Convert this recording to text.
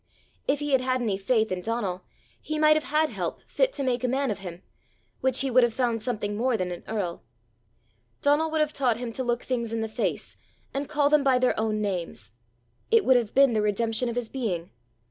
If he had had any faith in Donal, he might have had help fit to make a man of him, which he would have found something more than an earl. Donal would have taught him to look things in the face, and call them by their own names. It would have been the redemption of his being.